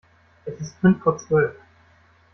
Es ist fünf vor Zwölf.